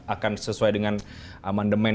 akan sesuai dengan amandemen